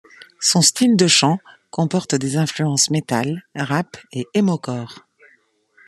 Son style de chant comporte des influences metal, rap et emocore.